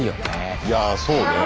いやそうね。